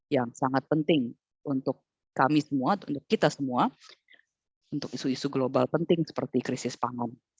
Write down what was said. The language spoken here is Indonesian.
yang sangat penting untuk kami semua untuk kita semua untuk isu isu global penting seperti krisis pangan